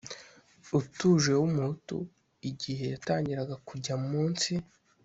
utuje w umuhutu igihe yatangiraga kujya munsi